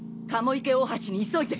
鴨池大橋に急いで。